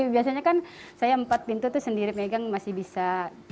biasanya kan saya empat pintu itu sendiri pegang masih bisa